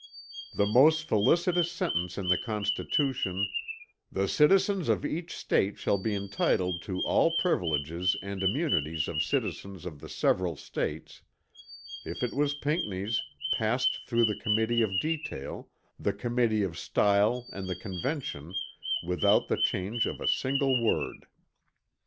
The most felicitous sentence in the Constitution, "The citizens of each State shall be entitled to all privileges and immunities of citizens in the several States," if it was Pinckney's, passed through the Committee of Detail, the Committee of Style and the Convention without the change of a single word.